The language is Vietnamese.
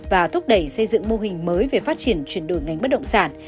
và thúc đẩy xây dựng mô hình mới về phát triển chuyển đổi ngành bất động sản